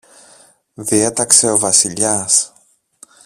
διέταξε ο Βασιλιάς